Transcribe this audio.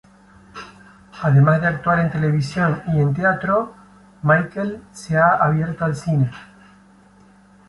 Además de actuar en televisión y en teatro, Michael se ha abierto al cine.